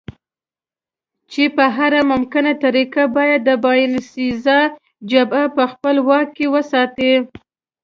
چې په هره ممکنه طریقه باید د باینسېزا جبهه په خپل واک کې وساتي.